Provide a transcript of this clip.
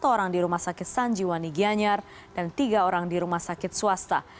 satu orang di rumah sakit sanjiwani gianyar dan tiga orang di rumah sakit swasta